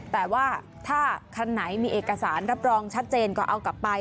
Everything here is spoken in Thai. แต่ว่าถ้าคันไหนมีเอกสารรับรองชัดเจนก็เอากลับไป